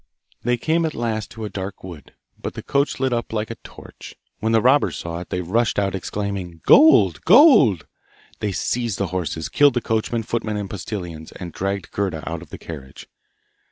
They came at last to a dark wood, but the coach lit it up like a torch. When the robbers saw it, they rushed out, exclaiming, 'Gold! gold!' They seized the horses, killed the coachman, footmen and postilions, and dragged Gerda out of the carriage.